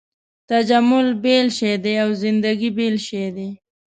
تجمل بېل شی دی او زندګي بېل شی دی.